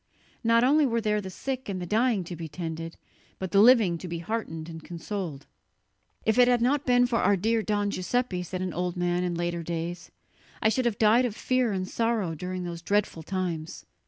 Not only were there the sick and the dying to be tended, but the living to be heartened and consoled. "If it had not been for our dear Don Giuseppe," said an old man in later days, "I should have died of fear and sorrow during those dreadful times."